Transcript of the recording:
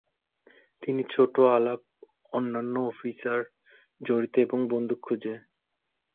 তিনি ছোট আলাপ অন্যান্য অফিসার জড়িত এবং বন্দুক খুঁজে।